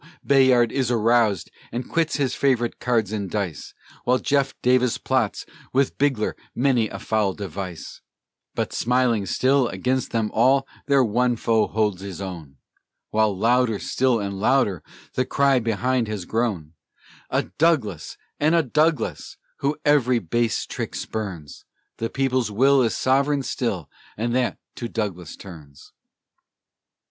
Bayard is aroused, and quits his favorite cards and dice, While Jeff Davis plots with Bigler full many a foul device; But, smiling still, against them all their One Foe holds his own, While louder still and louder, the cry behind has grown "A Douglas and a Douglas, Who every base trick spurns; The people's will is sovereign still, And that to Douglas turns."